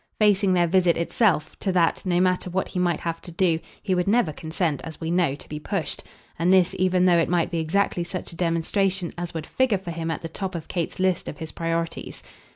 Facing their visit itself to that, no matter what he might have to do, he would never consent, as we know, to be pushed; and this even though it might be exactly such a demonstration as would figure for him at the top of Kate's list of his proprieties.